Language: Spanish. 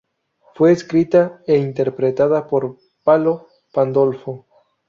Fue escrita e interpretada por Palo Pandolfo.